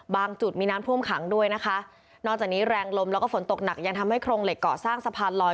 จุดมีน้ำท่วมขังด้วยนะคะนอกจากนี้แรงลมแล้วก็ฝนตกหนักยังทำให้โครงเหล็กเกาะสร้างสะพานลอย